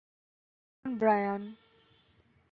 অভিনন্দন, ব্রায়ান!